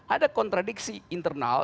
ada kontradiksi internal